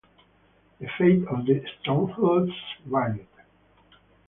The fate of the strongholds varied.